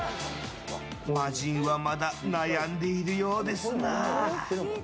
魔人はまだ悩んでいるようですな。